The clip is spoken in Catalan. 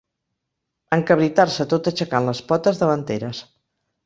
Encabritar-se tot aixecant les potes davanteres.